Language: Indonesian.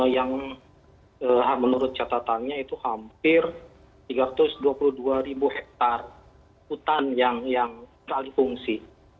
yang menurut catatannya itu hampir tiga ratus dua puluh dua ribu hektare hutan yang teralih fungsi